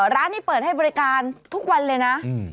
ร้านนี้เปิดให้บริการทุกวันเลยนะ